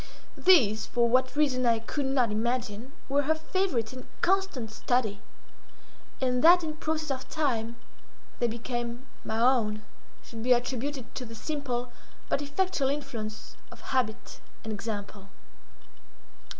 These, for what reason I could not imagine, were her favourite and constant study—and that in process of time they became my own, should be attributed to the simple but effectual influence of habit and example.